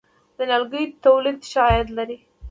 د نیالګیو تولید ښه عاید لري؟